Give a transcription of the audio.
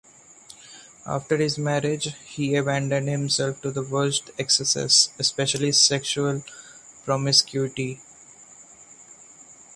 After his marriage, he abandoned himself to the worst excesses, especially sexual promiscuity.